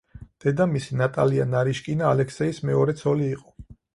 დედამისი ნატალია ნარიშკინა ალექსეის მეორე ცოლი იყო.